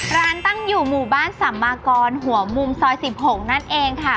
ตั้งอยู่หมู่บ้านสัมมากรหัวมุมซอย๑๖นั่นเองค่ะ